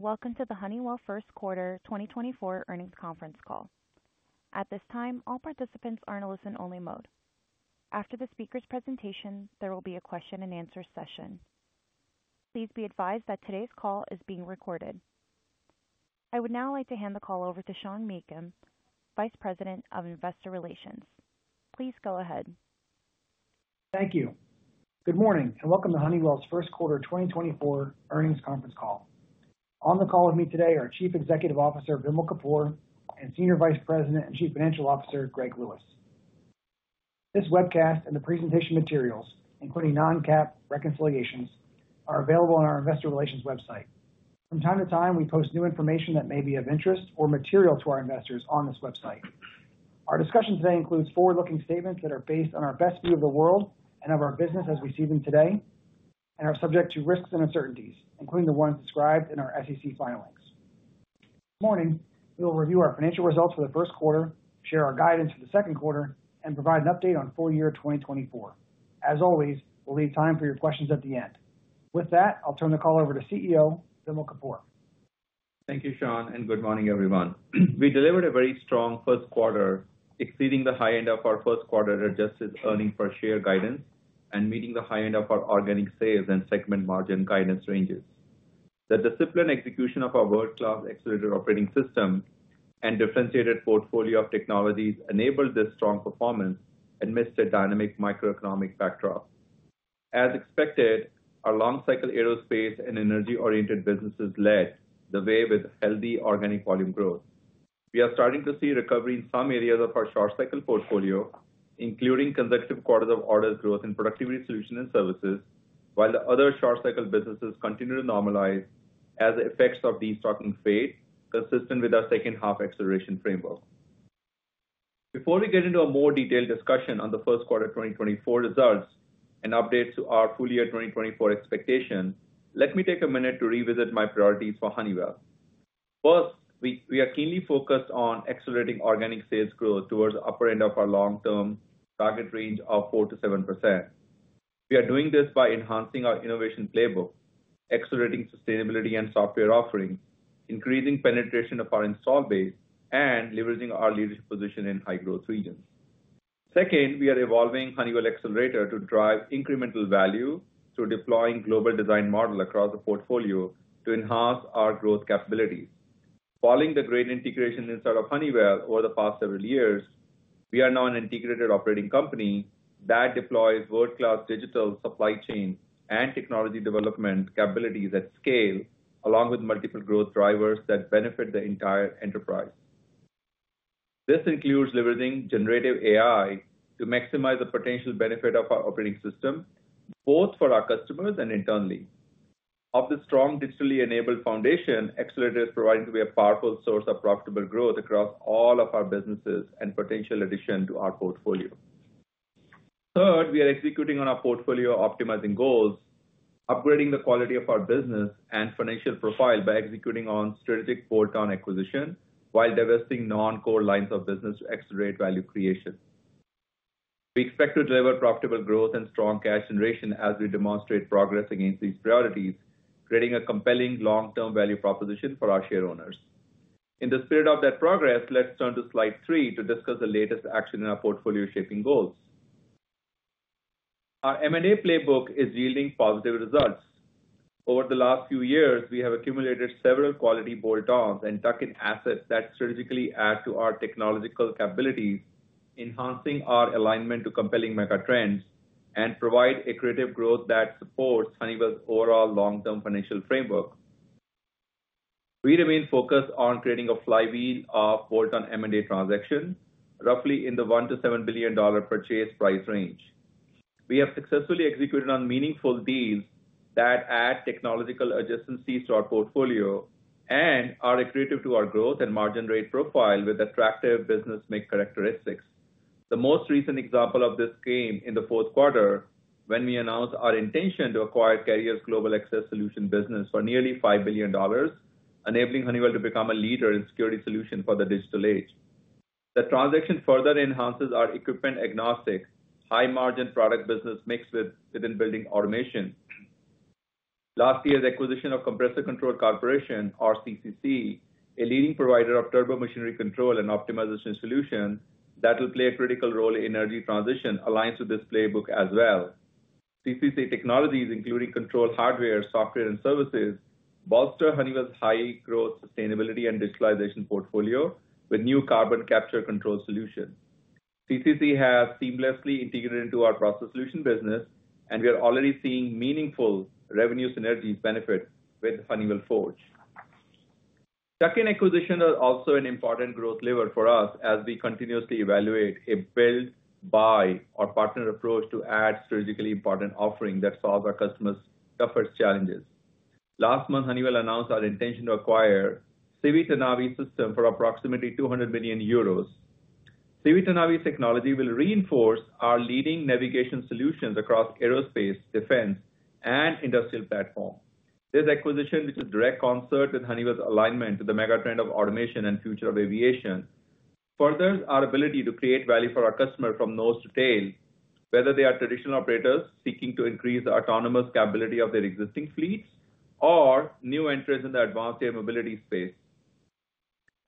Welcome to the Honeywell First Quarter 2024 earnings conference call. At this time, all participants are in a listen-only mode. After the speaker's presentation, there will be a question-and-answer session. Please be advised that today's call is being recorded. I would now like to hand the call over to Sean Meakim, Vice President of Investor Relations. Please go ahead. Thank you. Good morning and welcome to Honeywell's First Quarter 2024 earnings conference call. On the call with me today are Chief Executive Officer Vimal Kapur and Senior Vice President and Chief Financial Officer Greg Lewis. This webcast and the presentation materials, including non-GAAP reconciliations, are available on our Investor Relations website. From time to time, we post new information that may be of interest or material to our investors on this website. Our discussion today includes forward-looking statements that are based on our best view of the world and of our business as we see them today, and are subject to risks and uncertainties, including the ones described in our SEC filings. This morning, we will review our financial results for the first quarter, share our guidance for the second quarter, and provide an update on full year 2024. As always, we'll leave time for your questions at the end. With that, I'll turn the call over to CEO Vimal Kapur. Thank you, Sean, and good morning, everyone. We delivered a very strong first quarter, exceeding the high end of our first quarter adjusted earnings per share guidance and meeting the high end of our organic sales and segment margin guidance ranges. The disciplined execution of our world-class accelerated operating system and differentiated portfolio of technologies enabled this strong performance amidst a dynamic macroeconomic backdrop. As expected, our long-cycle Aerospace and energy-oriented businesses led the way with healthy organic volume growth. We are starting to see recovery in some areas of our short-cycle portfolio, including consecutive quarters of orders growth in Productivity Solutions and Services, while the other short-cycle businesses continue to normalize as the effects of destocking fade, consistent with our second-half acceleration framework. Before we get into a more detailed discussion on the first quarter 2024 results and updates to our full year 2024 expectation, let me take a minute to revisit my priorities for Honeywell. First, we are keenly focused on accelerating organic sales growth towards the upper end of our long-term target range of 4%-7%. We are doing this by enhancing our innovation playbook, accelerating sustainability and software offering, increasing penetration of our installed base, and leveraging our leadership position in high-growth regions. Second, we are evolving Honeywell Accelerator to drive incremental value through deploying a global design model across the portfolio to enhance our growth capabilities. Following the great integration inside of Honeywell over the past several years, we are now an integrated operating company that deploys world-class digital supply chain and technology development capabilities at scale, along with multiple growth drivers that benefit the entire enterprise. This includes leveraging generative AI to maximize the potential benefit of our operating system, both for our customers and internally. Of the strong digitally-enabled foundation, Accelerator is providing to be a powerful source of profitable growth across all of our businesses and potential addition to our portfolio. Third, we are executing on our portfolio optimizing goals, upgrading the quality of our business and financial profile by executing on strategic bolt-on acquisition while divesting non-core lines of business to accelerate value creation. We expect to deliver profitable growth and strong cash generation as we demonstrate progress against these priorities, creating a compelling long-term value proposition for our shareholders. In the spirit of that progress, let's turn to slide three to discuss the latest action in our portfolio shaping goals. Our M&A playbook is yielding positive results. Over the last few years, we have accumulated several quality bolt-ons and tuck-in assets that strategically add to our technological capabilities, enhancing our alignment to compelling megatrends and providing accretive growth that supports Honeywell's overall long-term financial framework. We remain focused on creating a flywheel of bolt-on M&A transactions, roughly in the $1,000,000,000-$7,000,000,000, purchase price range. We have successfully executed on meaningful deals that add technological adjacencies to our portfolio and are accretive to our growth and margin rate profile with attractive business mix characteristics. The most recent example of this came in the fourth quarter when we announced our intention to acquire Carrier's Global Access Solutions business for nearly $5,000,000,000, enabling Honeywell to become a leader in security solutions for the digital age. The transaction further enhances our equipment-agnostic, high-margin product business mix within Building Automation. Last year's acquisition of Compressor Controls Corporation, or CCC, a leading provider of turbo machinery control and optimization solutions that will play a critical role in Energy Transition aligns with this playbook as well. CCC technologies, including control hardware, software, and services, bolster Honeywell's high-growth sustainability and digitalization portfolio with new carbon capture control solutions. CCC has seamlessly integrated into our Process Solutions business, and we are already seeing meaningful revenue synergies benefit with Honeywell Forge. Tuck-in acquisitions are also an important growth lever for us as we continuously evaluate a build-buy or partner approach to add strategically important offerings that solve our customers' toughest challenges. Last month, Honeywell announced our intention to acquire Civitanavi Systems for approximately 200,000,000 euros. Civitanavi Systems technology will reinforce our leading navigation solutions across Aerospace, defense, and industrial platforms. This acquisition, which is in direct concert with Honeywell's alignment to the megatrend of automation and Future of Aviation, furthers our ability to create value for our customers from nose to tail, whether they are traditional operators seeking to increase the autonomous capability of their existing fleets or new entrants in the advanced air mobility space.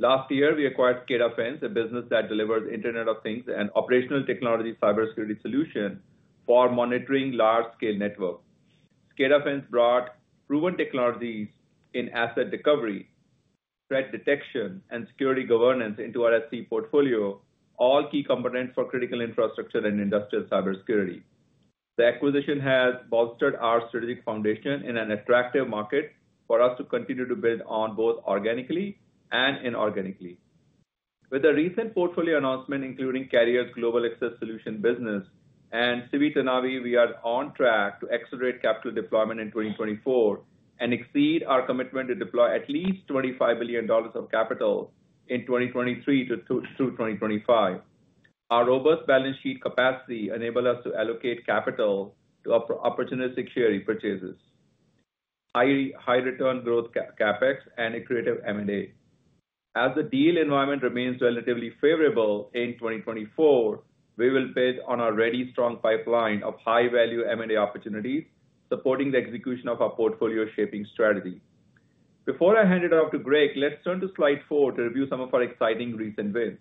Last year, we acquired SCADAfence, a business that delivers Internet of Things and operational technology cybersecurity solutions for monitoring large-scale networks. SCADAfence brought proven technologies in asset recovery, threat detection, and security governance into our OT portfolio, all key components for critical infrastructure and industrial cybersecurity. The acquisition has bolstered our strategic foundation in an attractive market for us to continue to build on both organically and inorganically. With a recent portfolio announcement, including Carrier's Global Access Solutions business and Civitanavi, we are on track to accelerate capital deployment in 2024 and exceed our commitment to deploy at least $25,000,000,000 of capital in 2023 through 2025. Our robust balance sheet capacity enables us to allocate capital to opportunistic share repurchases, high-return growth CapEx, and a creative M&A. As the deal environment remains relatively favorable in 2024, we will bid on a ready strong pipeline of high-value M&A opportunities supporting the execution of our portfolio shaping strategy. Before I hand it off to Greg, let's turn to slide four to review some of our exciting recent wins.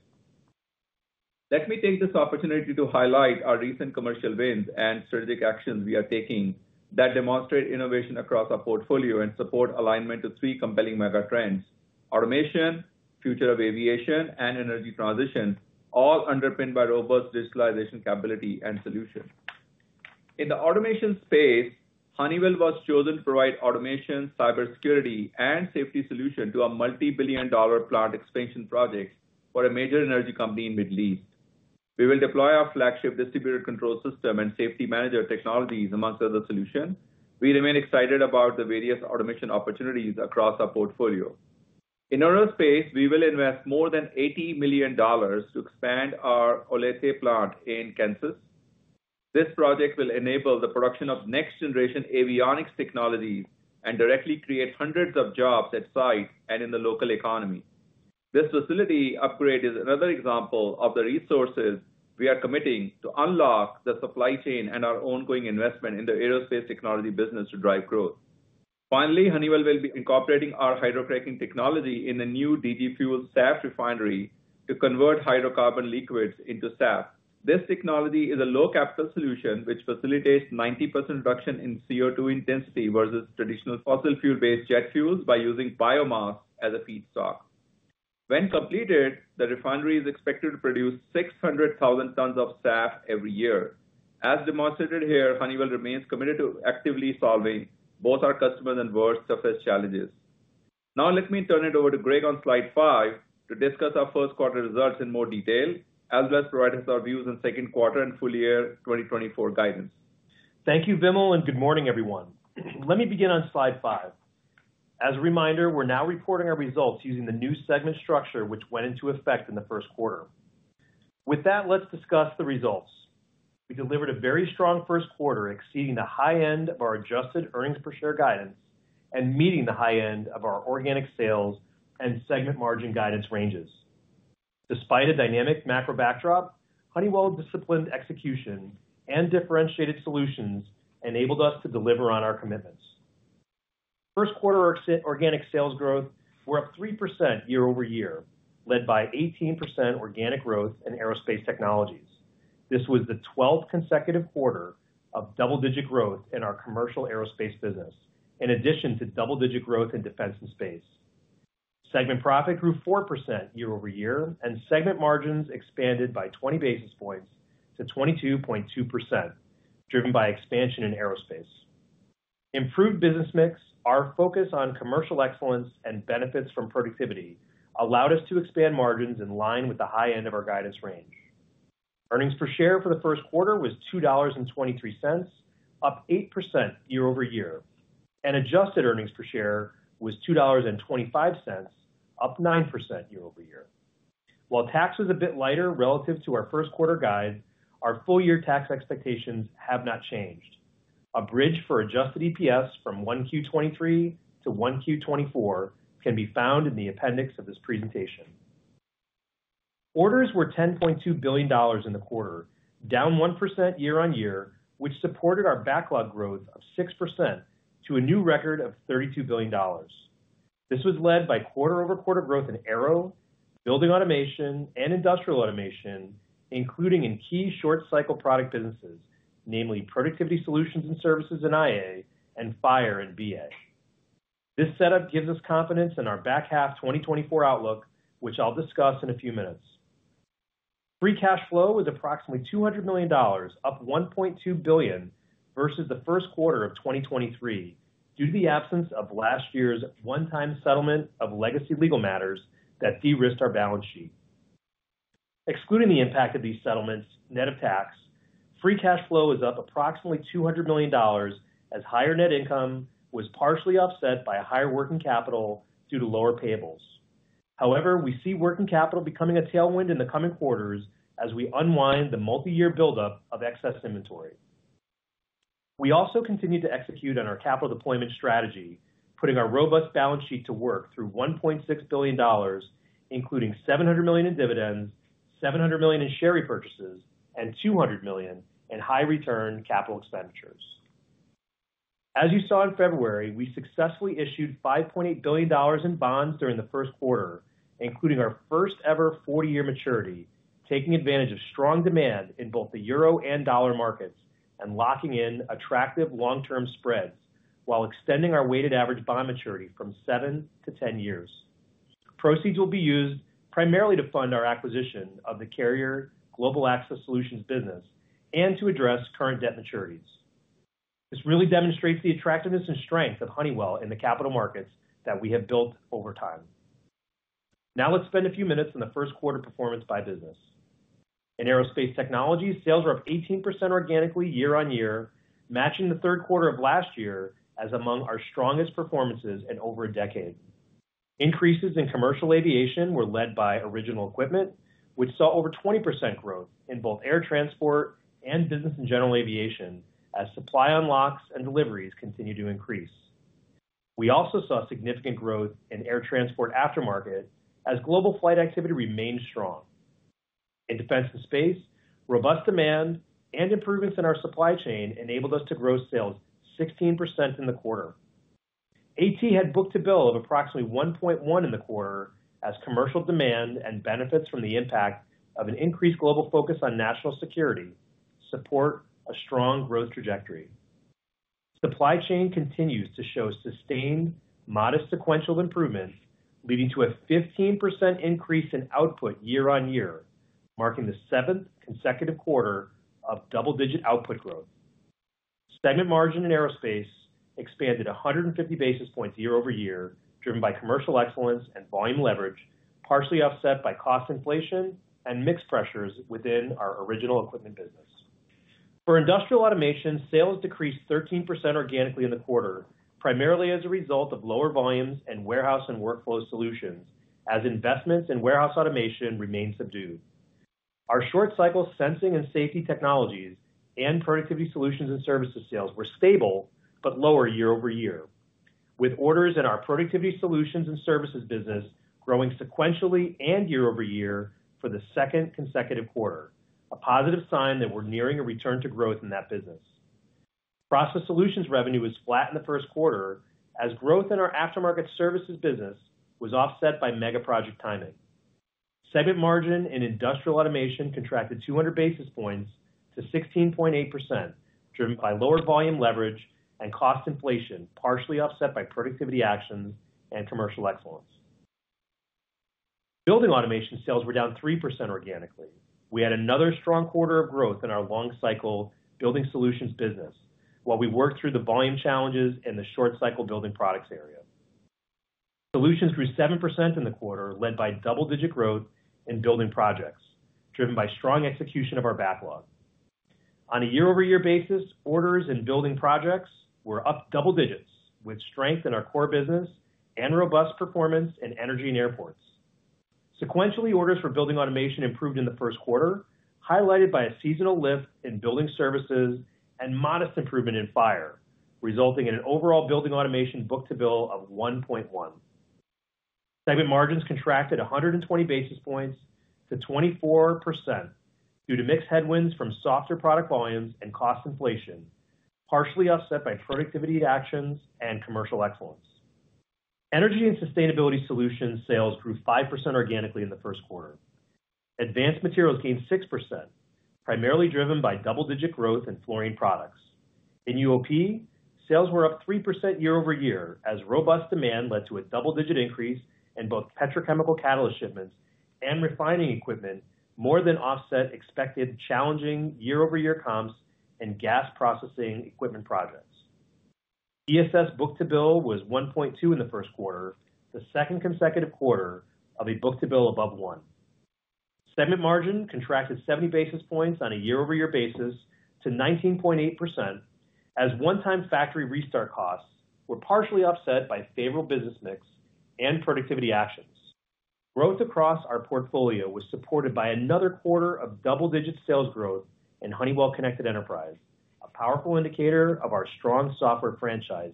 Let me take this opportunity to highlight our recent commercial wins and strategic actions we are taking that demonstrate innovation across our portfolio and support alignment to three compelling megatrends: automation, Future of Aviation, and Energy Transition, all underpinned by robust digitalization capability and solutions. In the automation space, Honeywell was chosen to provide automation, cybersecurity, and safety solutions to a multi-billion-dollar plant expansion project for a major energy company in the Middle East. We will deploy our flagship distributed control system and safety manager technologies, amongst other solutions. We remain excited about the various automation opportunities across our portfolio. In Aerospace, we will invest more than $80,000,000 to expand our Olathe plant in Kansas. This project will enable the production of next-generation avionics technologies and directly create hundreds of jobs at site and in the local economy. This facility upgrade is another example of the resources we are committing to unlock the supply chain and our ongoing investment in the Aerospace technology business to drive growth. Finally, Honeywell will be incorporating our hydrocracking technology in the new DG Fuels SAF refinery to convert hydrocarbon liquids into SAF. This technology is a low-capital solution which facilitates 90% reduction in CO2 intensity versus traditional fossil fuel-based jet fuels by using biomass as a feedstock. When completed, the refinery is expected to produce 600,000 tons of SAF every year. As demonstrated here, Honeywell remains committed to actively solving both our customers' and world's toughest challenges. Now, let me turn it over to Greg on slide 5 to discuss our first quarter results in more detail, as well as provide us our views on second quarter and full year 2024 guidance. Thank you, Vimal, and good morning, everyone. Let me begin on slide 5. As a reminder, we're now reporting our results using the new segment structure which went into effect in the first quarter. With that, let's discuss the results. We delivered a very strong first quarter exceeding the high end of our adjusted earnings per share guidance and meeting the high end of our organic sales and segment margin guidance ranges. Despite a dynamic macro backdrop, Honeywell disciplined execution and differentiated solutions enabled us to deliver on our commitments. First quarter organic sales growth, we're up 3% year-over-year, led by 18% organic growth in Aerospace Technologies. This was the 12th consecutive quarter of double-digit growth in our commercial Aerospace business, in addition to double-digit growth in Defense and Space. Segment profit grew 4% year-over-year, and segment margins expanded by 20 basis points to 22.2%, driven by expansion in Aerospace. Improved business mix, our focus on commercial excellence and benefits from productivity, allowed us to expand margins in line with the high end of our guidance range. Earnings per share for the first quarter was $2.23, up 8% year-over-year. Adjusted earnings per share was $2.25, up 9% year-over-year. While tax was a bit lighter relative to our first quarter guide, our full year tax expectations have not changed. A bridge for adjusted EPS from 1Q 2023 to 1Q 2024 can be found in the appendix of this presentation. Orders were $10,200,000,000 in the quarter, down 1% year-over-year, which supported our backlog growth of 6% to a new record of $32,000,000,000. This was led by quarter-over-quarter growth in Aero, Building Automation, and Industrial Automation, including in key short-cycle product businesses, namely Productivity Solutions and Services in IA and Fire in BA. This setup gives us confidence in our back half 2024 outlook, which I'll discuss in a few minutes. Free cash flow was approximately $200,000,000, up $1,200,000,000 versus the first quarter of 2023 due to the absence of last year's one-time settlement of legacy legal matters that de-risked our balance sheet. Excluding the impact of these settlements net of tax, free cash flow is up approximately $200,000,000 as higher net income was partially offset by higher working capital due to lower payables. However, we see working capital becoming a tailwind in the coming quarters as we unwind the multi-year buildup of excess inventory. We also continue to execute on our capital deployment strategy, putting our robust balance sheet to work through $1,600,000,000, including $700,000,000 in dividends, $700,000,000 in share repurchases, and $200,000,000 in high-return capital expenditures. As you saw in February, we successfully issued $5,800,000,000 in bonds during the first quarter, including our first-ever 40-year maturity, taking advantage of strong demand in both the euro and dollar markets and locking in attractive long-term spreads while extending our weighted average bond maturity from 7 to 10 years. Proceeds will be used primarily to fund our acquisition of the Carrier Global Access Solutions business and to address current debt maturities. This really demonstrates the attractiveness and strength of Honeywell in the capital markets that we have built over time. Now, let's spend a few minutes on the first quarter performance by business. In Aerospace Technologies, sales were up 18% organically year-on-year, matching the third quarter of last year as among our strongest performances in over a decade. Increases in commercial aviation were led by Original Equipment, which saw over 20% growth in both Air Transport and Business and General Aviation as supply unlocks and deliveries continue to increase. We also saw significant growth in Air Transport aftermarket as global flight activity remained strong. In Defense and Space, robust demand and improvements in our supply chain enabled us to grow sales 16% in the quarter. AT had book-to-bill of approximately 1.1 in the quarter as commercial demand and benefits from the impact of an increased global focus on national security support a strong growth trajectory. Supply chain continues to show sustained, modest sequential improvements, leading to a 15% increase in output year-over-year, marking the seventh consecutive quarter of double-digit output growth. Segment margin in Aerospace expanded 150 basis points year-over-year, driven by commercial excellence and volume leverage, partially offset by cost inflation and mixed pressures within our Original Equipment business. For Industrial Automation, sales decreased 13% organically in the quarter, primarily as a result of lower volumes and Warehouse and Workflow Solutions, as investments in warehouse automation remain subdued. Our short-cycle Sensing and Safety Technologies and Productivity Solutions and Services sales were stable but lower year-over-year, with orders in our Productivity Solutions and Services business growing sequentially and year-over-year for the second consecutive quarter, a positive sign that we're nearing a return to growth in that business. Process Solutions revenue was flat in the first quarter as growth in our aftermarket services business was offset by megaproject timing. Segment margin in Industrial Automation contracted 200 basis points to 16.8%, driven by lower volume leverage and cost inflation, partially offset by productivity actions and commercial excellence. Building automation sales were down 3% organically. We had another strong quarter of growth in our long-cycle Building Solutions business while we worked through the volume challenges in the short-cycle Building Products area. Solutions grew 7% in the quarter, led by double-digit growth in Building Projects, driven by strong execution of our backlog. On a year-over-year basis, orders in Building Projects were up double digits with strength in our core business and robust performance in energy and airports. Sequentially, orders for Building Automation improved in the first quarter, highlighted by a seasonal lift in Building Services and modest improvement in Fire, resulting in an overall Building Automation book-to-bill of 1.1. Segment margins contracted 120 basis points to 24% due to mixed headwinds from softer product volumes and cost inflation, partially offset by productivity actions and commercial excellence. Energy and Sustainability Solutions sales grew 5% organically in the first quarter. Advanced Materials gained 6%, primarily driven by double-digit growth in Fluorine Products. In UOP, sales were up 3% year-over-year as robust demand led to a double-digit increase in both petrochemical catalyst shipments and refining equipment, more than offset expected challenging year-over-year comps and gas processing equipment projects. ESS book-to-bill was 1.2 in the first quarter, the second consecutive quarter of a book-to-bill above one. Segment margin contracted 70 basis points on a year-over-year basis to 19.8% as one-time factory restart costs were partially offset by favorable business mix and productivity actions. Growth across our portfolio was supported by another quarter of double-digit sales growth in Honeywell Connected Enterprise, a powerful indicator of our strong software franchise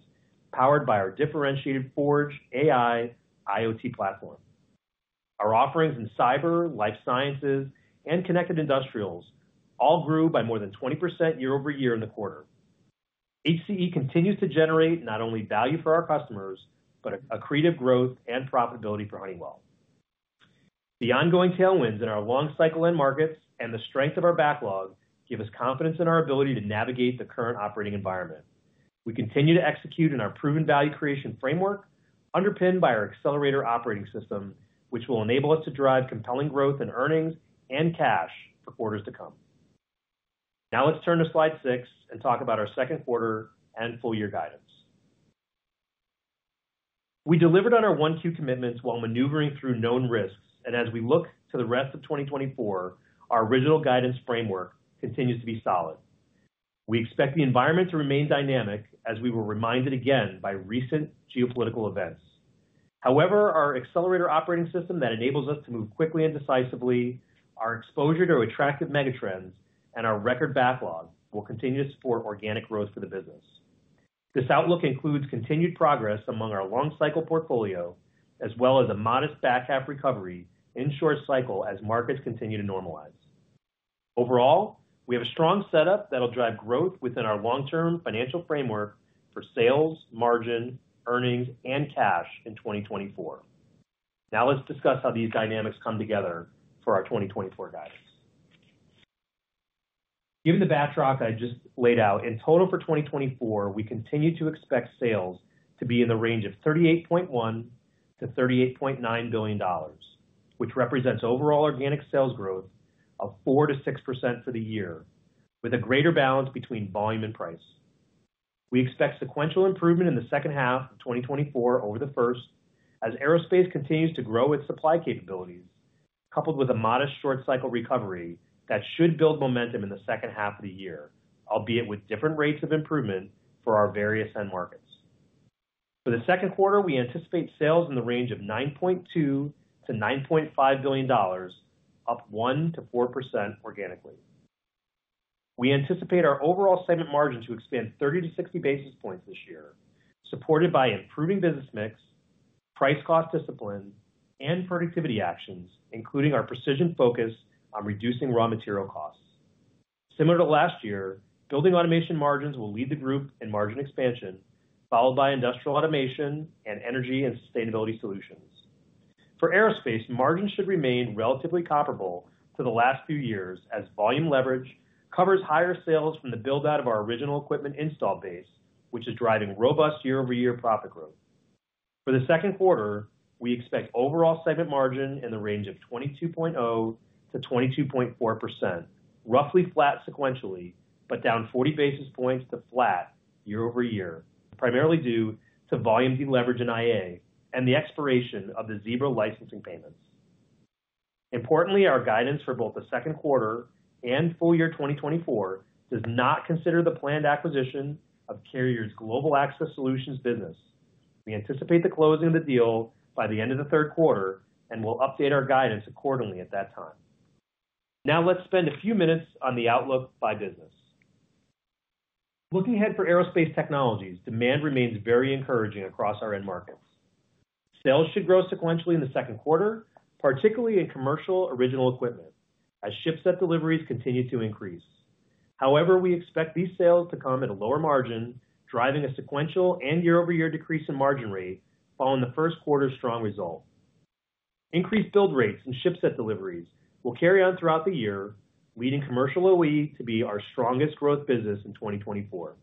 powered by our differentiated Forge AI IoT platform. Our offerings in Cyber, Life Sciences, and Connected Industrials all grew by more than 20% year-over-year in the quarter. HCE continues to generate not only value for our customers but accretive growth and profitability for Honeywell. The ongoing tailwinds in our long-cycle end markets and the strength of our backlog give us confidence in our ability to navigate the current operating environment. We continue to execute in our proven value creation framework underpinned by our Accelerator operating system, which will enable us to drive compelling growth in earnings and cash for quarters to come. Now, let's turn to slide 6 and talk about our second quarter and full year guidance. We delivered on our 1Q commitments while maneuvering through known risks. As we look to the rest of 2024, our original guidance framework continues to be solid. We expect the environment to remain dynamic as we were reminded again by recent geopolitical events. However, our Accelerator operating system that enables us to move quickly and decisively, our exposure to attractive megatrends, and our record backlog will continue to support organic growth for the business. This outlook includes continued progress among our long-cycle portfolio as well as a modest back half recovery in short cycle as markets continue to normalize. Overall, we have a strong setup that will drive growth within our long-term financial framework for sales, margin, earnings, and cash in 2024. Now, let's discuss how these dynamics come together for our 2024 guidance. Given the backdrop I just laid out, in total for 2024, we continue to expect sales to be in the range of $38.,100,000,000-$38,900,000,000, which represents overall organic sales growth of 4%-6% for the year, with a greater balance between volume and price. We expect sequential improvement in the second half of 2024 over the first continues to grow its supply capabilities, coupled with a modest short-cycle recovery that should build momentum in the second half of the year, albeit with different rates of improvement for our various end markets. For the second quarter, we anticipate sales in the range of $9,200,000,000-$9,500,000,000, up 1%-4% organically. We anticipate our overall segment margin to expand 30% to 60 basis points this year, supported by improving business mix, price-cost discipline, and productivity actions, including our precision focus on reducing raw material costs. Similar to last year, Building Automation margins will lead the group in margin expansion, followed by Industrial Automation and Energy and Sustainability Solutions. For Aerospace, margins should remain relatively comparable to the last few years as volume leverage covers higher sales from the build-out of our Original Equipment. For the second quarter, we expect overall segment margin in the range of 22.0%-22.4%, roughly flat sequentially but down 40 basis points to flat year-over-year, primarily due to volume de-leverage in IA and the expiration of the Zebra licensing payments. Importantly, our guidance for both the second quarter and full year 2024 does not consider the planned acquisition of Carrier's Global Access Solutions business. We anticipate the closing of the deal by the end of the third quarter and will update our guidance accordingly at that time. Now, let's spend a few minutes on the outlook by business. Looking ahead for Aerospace Technologies, demand remains very encouraging across our end markets. Sales should grow sequentially in the second quarter, particularly in commercial Original Equipment. However, we expect these sales to come at a lower margin, driving a sequential and year-over-year decrease in margin rate following the first quarter's strong result. Increased build rates and ship set deliveries will carry on throughout the year, leading commercial OE to be our strongest growth business in 2024.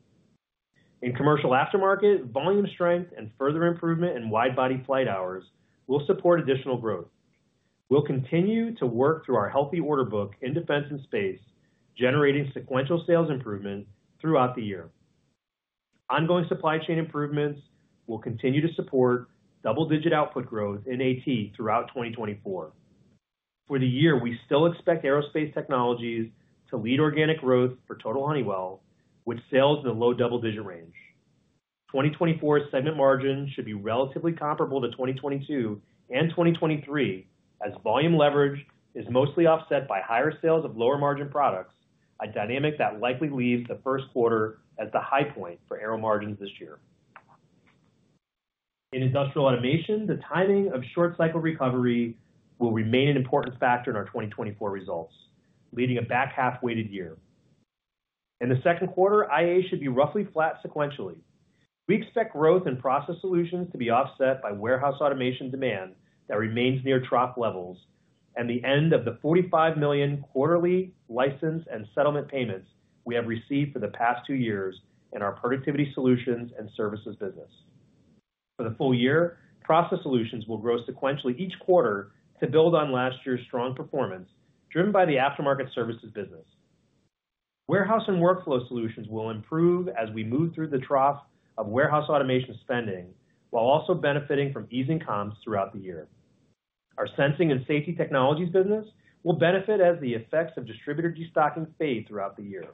In commercial aftermarket, volume strength and further improvement in wide-body flight hours will support additional growth. We'll continue to work through our healthy order book in Defense and Space, generating sequential sales improvements throughout the year. Ongoing supply chain improvements will continue to support double-digit output growth in AT throughout 2024. For the year, we still expect Aerospace Technologies to lead organic growth for total Honeywell, with sales in the low double-digit range. 2024's segment margin should be relatively comparable to 2022 and 2023 as volume leverage is mostly offset by higher sales of lower-margin products, a dynamic that likely leaves the first quarter as the high point for Aero margins this year. In Industrial Automation, the timing of short-cycle recovery will remain an important factor in our 2024 results, leading a back half weighted year. In the second quarter, IA should be roughly flat sequentially. We expect growth in Process Solutions to be offset by warehouse automation demand that remains near trough levels and the end of the $45,000,000 quarterly license and settlement payments we have received for the past two years in our Productivity Solutions and Services business. For the full year, Process Solutions will grow sequentially each quarter to build on last year's strong performance, driven by the aftermarket services business. Warehouse and workflow solutions will improve as we move through the trough of warehouse automation spending while also benefiting from easing comps throughout the year. Our Sensing and Safety Technologies business will benefit as the effects of distributor destocking fade throughout the year.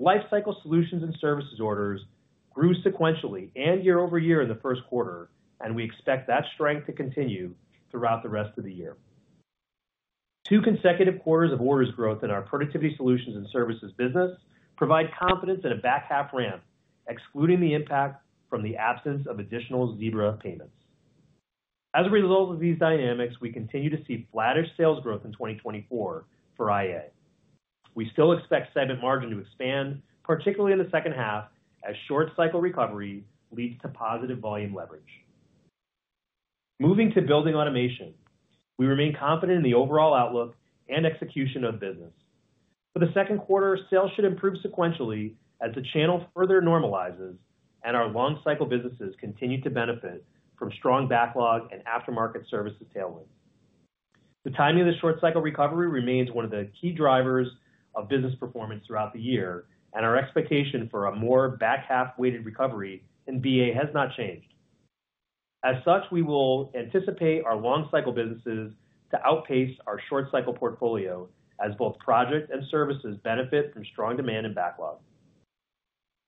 Lifecycle Solutions and Services orders grew sequentially and year-over-year in the first quarter, and we expect that strength to continue throughout the rest of the year. Two consecutive quarters of orders growth in our Productivity Solutions and Services business provide confidence in a back half ramp, excluding the impact from the absence of additional Zebra payments. As a result of these dynamics, we continue to see flatter sales growth in 2024 for IA. We still expect segment margin to expand, particularly in the second half, as short-cycle recovery leads to positive volume leverage. Moving to Building Automation, we remain confident in the overall outlook and execution of business. For the second quarter, sales should improve sequentially as the channel further normalizes and our long-cycle businesses continue to benefit from strong backlog and aftermarket services tailwinds. The timing of the short-cycle recovery remains one of the key drivers of business performance throughout the year, and our expectation for a more back half weighted recovery in BA has not changed. As such, we will anticipate our long-cycle businesses to outpace our short-cycle portfolio as both projects and services benefit from strong demand and backlog.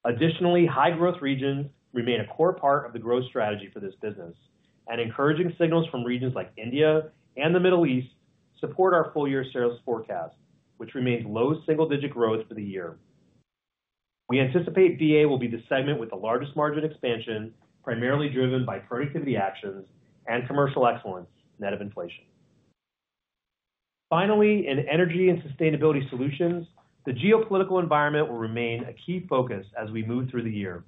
Additionally, high-growth regions remain a core part of the growth strategy for this business, and encouraging signals from regions like India and the Middle East support our full year sales forecast, which remains low single-digit growth for the year. We anticipate BA will be the segment with the largest margin expansion, primarily driven by productivity actions and commercial excellence, net of inflation. Finally, in Energy and Sustainability Solutions, the geopolitical environment will remain a key focus as we move through the year.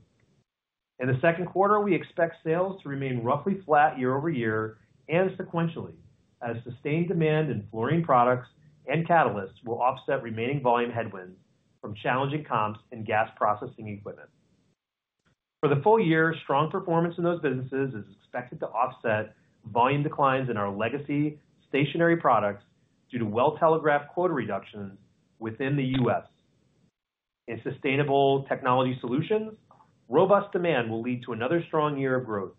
In the second quarter, we expect sales to remain roughly flat year-over-year and sequentially as sustained demand in Fluorine Products and catalysts will offset remaining volume headwinds from challenging comps in gas processing equipment. For the full year, strong performance in those businesses is expected to offset volume declines in our legacy stationary products due to well-telegraphed quota reductions within the U.S. In Sustainable Technology Solutions, robust demand will lead to another strong year of growth.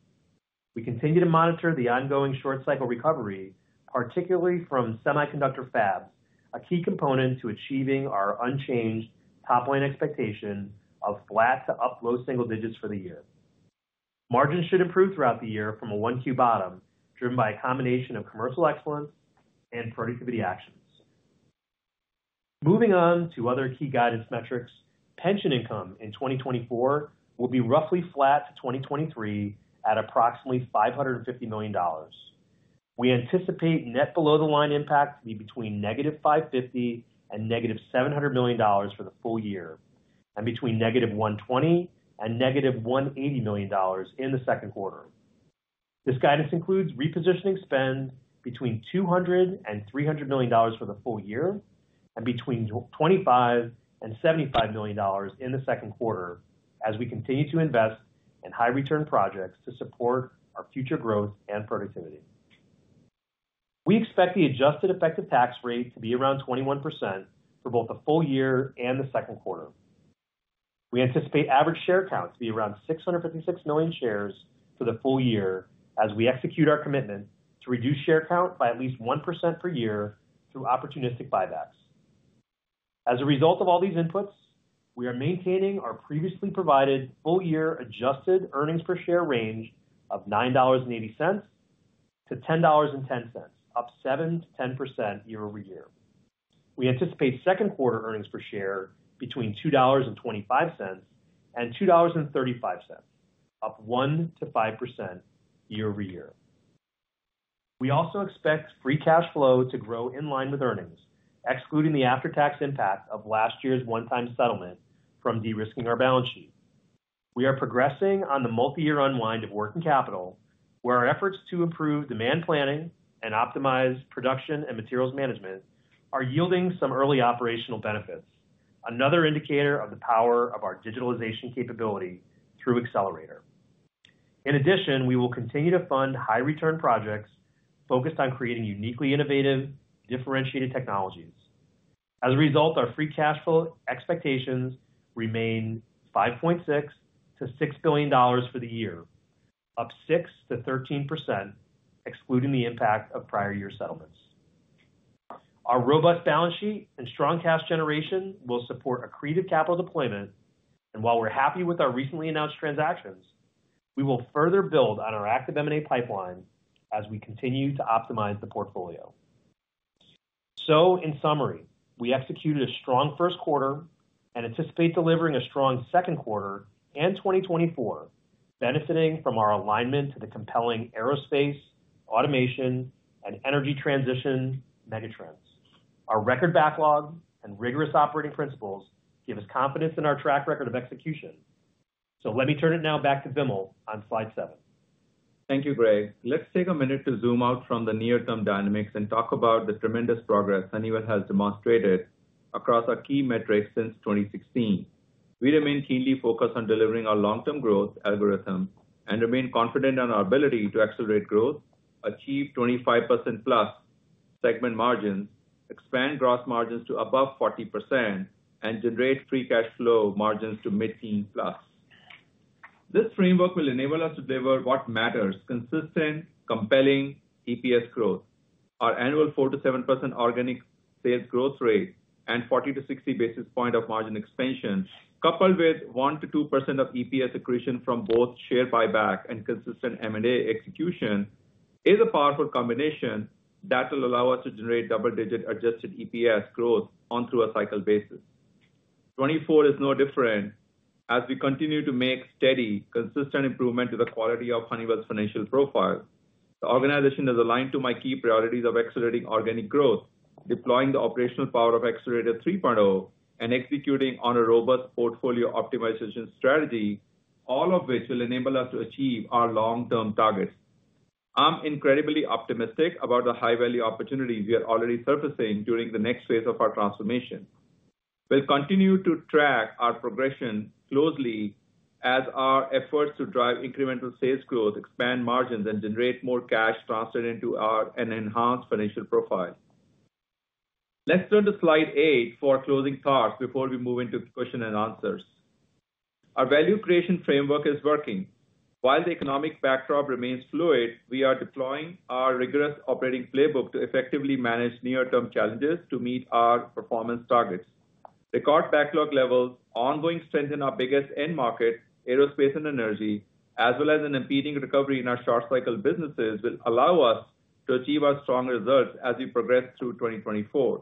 We continue to monitor the ongoing short-cycle recovery, particularly from semiconductor fabs, a key component to achieving our unchanged top-line expectation of flat to up low single digits for the year. Margins should improve throughout the year from a 1Q bottom, driven by a combination of commercial excellence and productivity actions. Moving on to other key guidance metrics, pension income in 2024 will be roughly flat to 2023 at approximately $550,000,000. We anticipate net below-the-line impact to be between -$550,000,000 and -$700,000,000 for the full year and between -$120,000,000 and -$180,000,000 in the second quarter. This guidance includes repositioning spend between $200,000,000 and $300,000,000 for the full year and between $25,000,000 and $75,000,000 in the second quarter as we continue to invest in high-return projects to support our future growth and productivity. We expect the adjusted effective tax rate to be around 21% for both the full year and the second quarter. We anticipate average share count to be around 656,000,000 shares for the full year as we execute our commitment to reduce share count by at least 1% per year through opportunistic buybacks. As a result of all these inputs, we are maintaining our previously provided full year Adjusted earnings per share range of $9.80-$10.10, up 7%-10% year-over-year. We anticipate second quarter earnings per share between $2.25 and $2.35, up 1%-5% year-over-year. We also expect Free cash flow to grow in line with earnings, excluding the after-tax impact of last year's one-time settlement from de-risking our balance sheet. We are progressing on the multi-year unwind of working capital, where our efforts to improve demand planning and optimize production and materials management are yielding some early operational benefits, another indicator of the power of our digitalization capability through Accelerator. In addition, we will continue to fund high-return projects focused on creating uniquely innovative, differentiated technologies. As a result, our free cash flow expectations remain $5,600,000,000-$6,000,000,000 for the year, up 6%-13%, excluding the impact of prior year settlements. Our robust balance sheet and strong cash generation will support accretive capital deployment. While we're happy with our recently announced transactions, we will further build on our active M&A pipeline as we continue to optimize the portfolio. So, in summary, we executed a strong first quarter and anticipate delivering a strong second quarter and 2024, benefiting from our alignment to the compelling Aerospace, automation, and Energy Transition megatrends. Our record backlog and rigorous operating principles give us confidence in our track record of execution. So let me turn it now back to Vimal on slide seven. Thank you, Greg. Let's take a minute to zoom out from the near-term dynamics and talk about the tremendous progress Honeywell has demonstrated across our key metrics since 2016. We remain keenly focused on delivering our long-term growth algorithm and remain confident in our ability to accelerate growth, achieve 25%+ segment margins, expand gross margins to above 40%, and generate free cash flow margins to mid-teens+. This framework will enable us to deliver what matters: consistent, compelling EPS growth. Our annual 4%-7% organic sales growth rate and 40-60 basis points of margin expansion, coupled with 1%-2% of EPS accretion from both share buyback and consistent M&A execution, is a powerful combination that will allow us to generate double-digit adjusted EPS growth on a cycle basis. 2024 is no different. As we continue to make steady, consistent improvement to the quality of Honeywell's financial profile, the organization is aligned to my key priorities of accelerating organic growth, deploying the operational power of Accelerator 3.0, and executing on a robust portfolio optimization strategy, all of which will enable us to achieve our long-term targets. I'm incredibly optimistic about the high-value opportunities we are already surfacing during the next phase of our transformation. We'll continue to track our progression closely as our efforts to drive incremental sales growth, expand margins, and generate more cash transferred into our enhanced financial profile. Let's turn to slide 8 for closing thoughts before we move into question and answers. Our value creation framework is working. While the economic backdrop remains fluid, we are deploying our rigorous operating playbook to effectively manage near-term challenges to meet our performance targets. Record backlog levels, ongoing strength in our biggest end market, Aerospace and energy, as well as an impending recovery in our short-cycle businesses will allow us to achieve our strong results as we progress through 2024.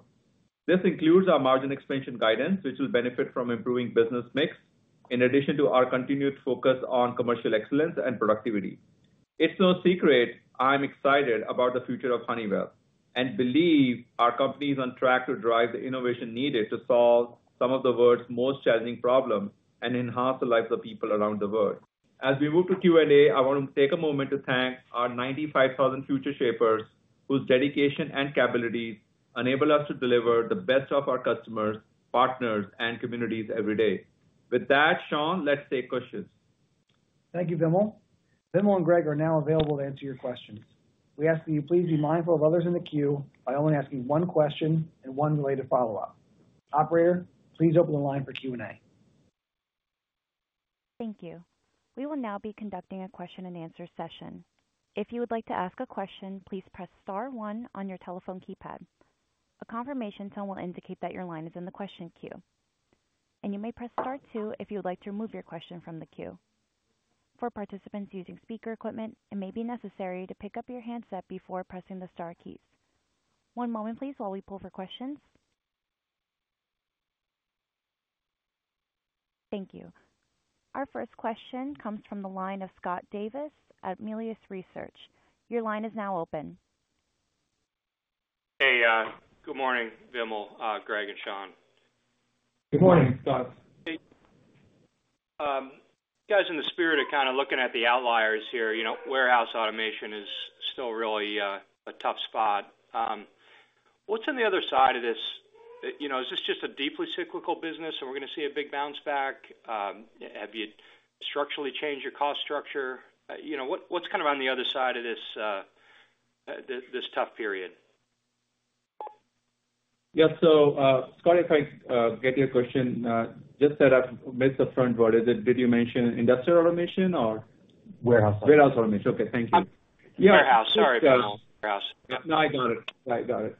This includes our margin expansion guidance, which will benefit from improving business mix in addition to our continued focus on commercial excellence and productivity. It's no secret I'm excited about the future of Honeywell and believe our company is on track to drive the innovation needed to solve some of the world's most challenging problems and enhance the lives of people around the world. As we move to Q&A, I want to take a moment to thank our 95,000 Future Shapers whose dedication and capabilities enable us to deliver the best of our customers, partners, and communities every day. With that, Sean, let's take questions. Thank you, Vimal. Vimal and Greg are now available to answer your questions. We ask that you please be mindful of others in the queue by only asking one question and one related follow-up. Operator, please open the line for Q&A. Thank you. We will now be conducting a question and answer session. If you would like to ask a question, please press star one on your telephone keypad. A confirmation tone will indicate that your line is in the question queue, and you may press star two if you would like to remove your question from the queue. For participants using speaker equipment, it may be necessary to pick up your handset before pressing the star keys. One moment, please, while we pull for questions. Thank you. Our first question comes from the line of Scott Davis at Melius Research. Your line is now open. Hey, good morning, Vimal, Greg, and Sean. Good morning, Scott. Hey, guys, in the spirit of kind of looking at the outliers here, warehouse automation is still really a tough spot. What's on the other side of this? Is this just a deeply cyclical business and we're going to see a big bounce back? Have you structurally changed your cost structure? What's kind of on the other side of this tough period? Yeah, so Scott, if I get your question, just that I've missed the front word. Did you mention Industrial Automation or? Warehouse. Warehouse automation. Okay, thank you. Yeah. Warehouse. Sorry, Vimal. Warehouse. No, I got it. I got it.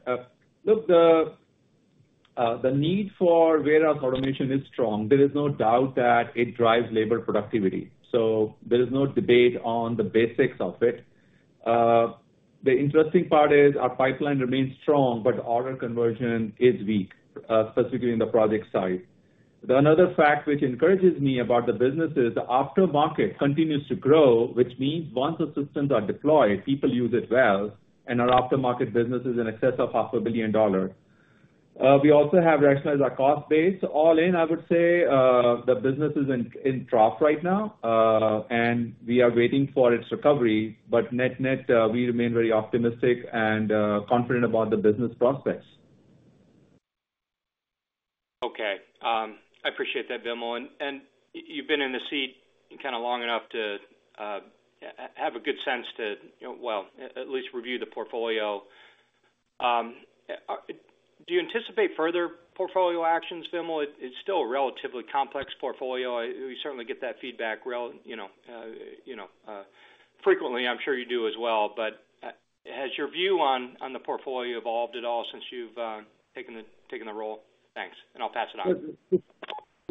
Look, the need for warehouse automation is strong. There is no doubt that it drives labor productivity. So there is no debate on the basics of it. The interesting part is our pipeline remains strong, but order conversion is weak, specifically in the project side. Another fact which encourages me about the business is the aftermarket continues to grow, which means once the systems are deployed, people use it well, and our aftermarket business is in excess of $500,000,000. We also have rationalized our cost base. All in, I would say the business is in trough right now, and we are waiting for its recovery. But net-net, we remain very optimistic and confident about the business prospects. Okay. I appreciate that, Vimal. You've been in the seat kind of long enough to have a good sense to, well, at least review the portfolio. Do you anticipate further portfolio actions, Vimal? It's still a relatively complex portfolio. We certainly get that feedback frequently. I'm sure you do as well. But has your view on the portfolio evolved at all since you've taken the role? Thanks. I'll pass it on.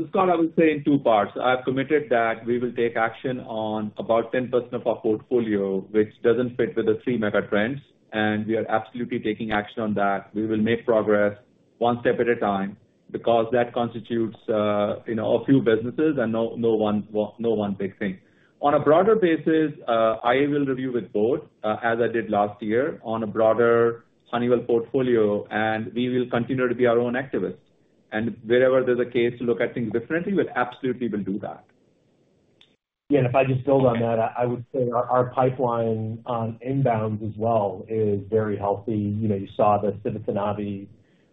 Scott, I would say in two parts. I've committed that we will take action on about 10% of our portfolio, which doesn't fit with the three megatrends. And we are absolutely taking action on that. We will make progress one step at a time because that constitutes a few businesses and no one big thing. On a broader basis, I will review with both, as I did last year, on a broader Honeywell portfolio, and we will continue to be our own activists. And wherever there's a case to look at things differently, we absolutely will do that. Yeah. And if I just build on that, I would say our pipeline on inbounds as well is very healthy. You saw the Civitanavi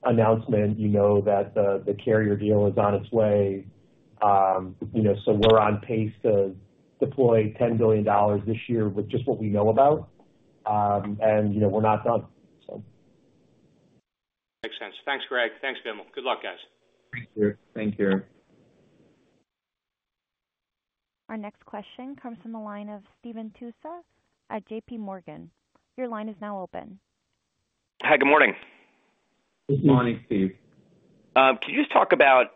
announcement. You know that the Carrier deal is on its way. So we're on pace to deploy $10,000,000,000 this year with just what we know about, and we're not done, so. Makes sense. Thanks, Greg. Thanks, Vimal. Good luck, guys. Thank you. Thank you. Our next question comes from the line of Stephen Tusa at J.P. Morgan. Your line is now open. Hi, good morning. Good morning, Steve. Could you just talk about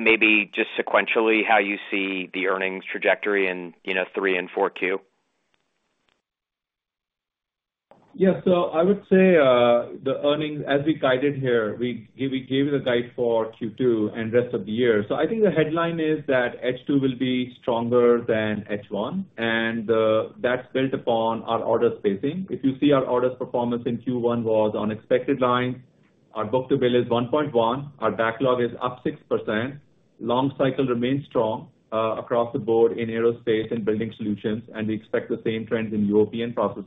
maybe just sequentially how you see the earnings trajectory in 3 and 4 Q? Yeah. So I would say the earnings, as we guided here. We gave the guide for Q2 and rest of the year. So I think the headline is that H2 will be stronger than H1, and that's built upon our order spacing. If you see, our orders performance in Q1 was on expected lines. Our book-to-bill is 1.1. Our backlog is up 6%. Long cycle remains strong across the board in Aerospace and Building Solutions, and we expect the same trends in European Process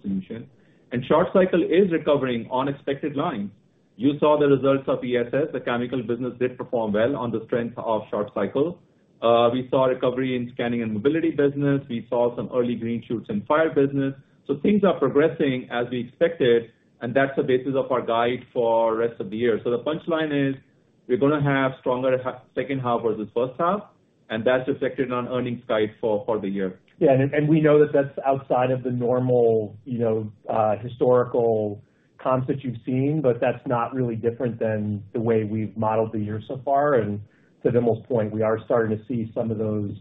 Solutions. Short cycle is recovering on expected lines. You saw the results of ESS. The chemical business did perform well on the strength of short cycle. We saw recovery in Scanning and Mobility business. We saw some early green shoots in Fire business. So things are progressing as we expected, and that's the basis of our guide for rest of the year. The punchline is we're going to have stronger second half versus first half, and that's reflected on earnings guide for the year. Yeah. And we know that that's outside of the normal historical comps that you've seen, but that's not really different than the way we've modeled the year so far. And to Vimal's point, we are starting to see some of those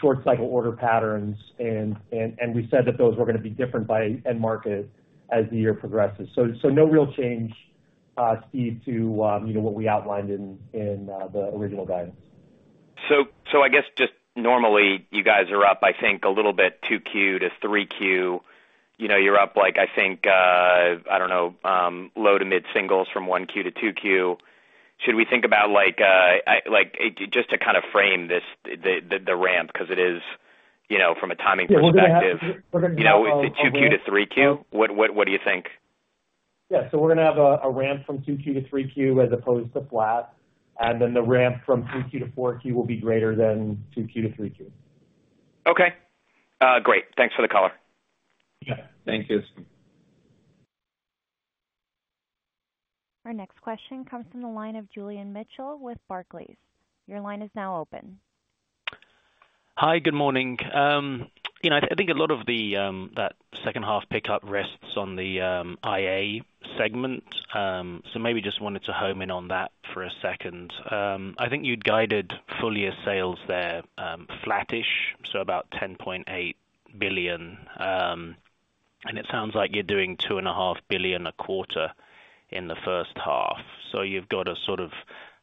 short cycle order patterns, and we said that those were going to be different by end market as the year progresses. So no real change, Steve, to what we outlined in the original guidance. So I guess just normally, you guys are up, I think, a little bit 2Q to 3Q. You're up, I think, I don't know, low- to mid-singles from 1Q to 2Q. Should we think about just to kind of frame the ramp because it is from a timing perspective? Is it 2Q to 3Q? What do you think? Yeah. So we're going to have a ramp from 2Q to 3Q as opposed to flat, and then the ramp from 3Q to 4Q will be greater than 2Q to 3Q. Okay. Great. Thanks for the caller. Yeah. Thank you. Our next question comes from the line of Julian Mitchell with Barclays. Your line is now open. Hi, good morning. I think a lot of that second half pickup rests on the IA segment. So maybe just wanted to hone in on that for a second. I think you'd guided fully as sales there, flattish, so about $10,800,000,000. And it sounds like you're doing $2,500,000,000 a quarter in the first half. So you've got a sort of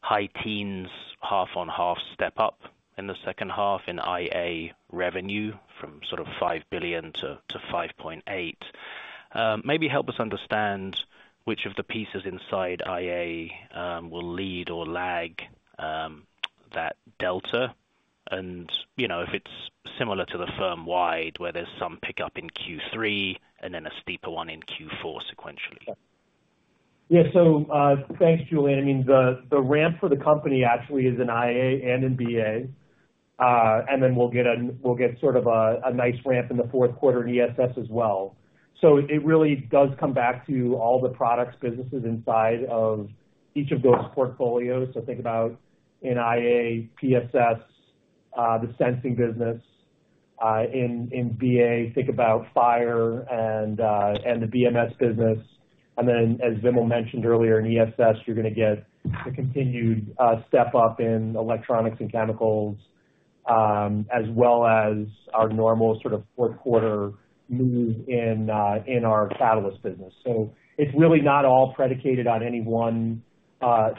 high teens half-on-half step up in the second half in IA revenue from sort of $5,000,000,000 to $5,800,000,000. Maybe help us understand which of the pieces inside IA will lead or lag that delta, and if it's similar to the firm-wide where there's some pickup in Q3 and then a steeper one in Q4 sequentially. Yeah. So thanks, Julian. I mean, the ramp for the company actually is in IA and in BA, and then we'll get sort of a nice ramp in the fourth quarter in ESS as well. So it really does come back to all the products, businesses inside of each of those portfolios. So think about in IA, PSS, the sensing business. In BA, think about Fire and the BMS business. And then, as Vimal mentioned earlier, in ESS, you're going to get a continued step up in electronics and chemicals as well as our normal sort of fourth quarter move in our catalyst business. So it's really not all predicated on any one